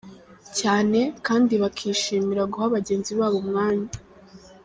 cyane, kandi bakishimira guha bagenzi babo umwanya